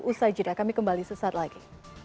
usai jeda kami kembali sesaat lagi